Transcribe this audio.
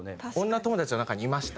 女友達の中にいました。